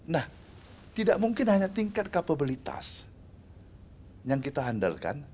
nah tidak mungkin hanya tingkat kapabilitas yang kita handalkan